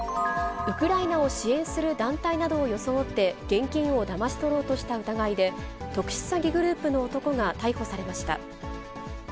ウクライナを支援する団体などを装って、現金をだまし取ろうとした疑いで、特殊詐欺グループの男が逮捕されました。